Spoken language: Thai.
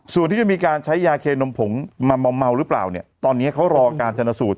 ส่วนที่จะมีการใช้ยาเคนมผงมาเมาหรือเปล่าเนี่ยตอนนี้เขารอการชนสูตร